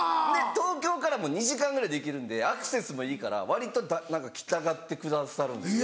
東京からも２時間ぐらいで行けるんでアクセスもいいから割と来たがってくださるんですよ。